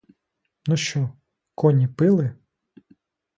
Ну що, коні пили?